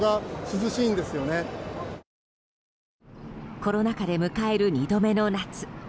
コロナ禍で迎える２度目の夏。